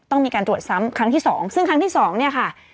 ต้องมีการตรวจซ้ำครั้งที่สองซึ่งครั้งที่สองเนี่ยค่ะ